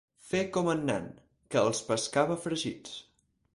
Fer com en Nan, que els pescava fregits.